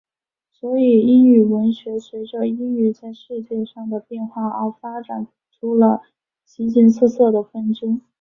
所以英语文学随着英语在世界上的变化而发展出了形形色色的分支。